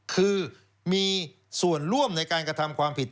คือมีส่วนร่วมในการกระทำความผิด